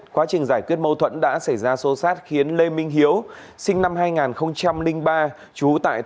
quá trình giải quyết mâu thuẫn đã xảy ra sâu sát khiến lê minh hiếu sinh năm hai nghìn ba chú tại thành phố bến tre bị thương nặng dẫn đến tử vong